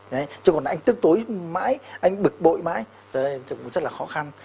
đấy chứ còn anh tức tối mãi anh bực bội mãi đấy cũng rất là khó khăn